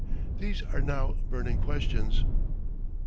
These are now burning questions.